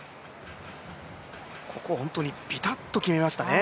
ここ本当にビタッと決めましたね。